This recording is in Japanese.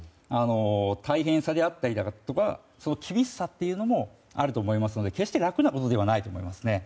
大変さであったりとか厳しさというのもあると思いますので決して楽なことではないと思います。